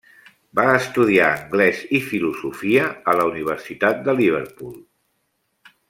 Va estudiar anglès i filosofia a la Universitat de Liverpool.